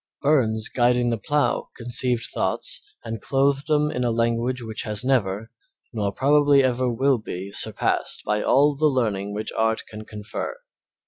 Burns guiding the plough conceived thoughts and clothed them in a language which has never, nor probably never will be, surpassed by all the learning which art can confer.